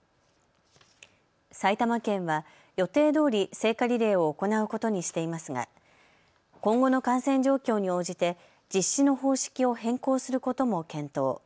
埼玉県は予定どおり聖火リレーを行うことにしていますが今後の感染状況に応じて実施の方式を変更することも検討。